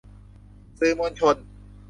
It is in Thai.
สื่อมวลชน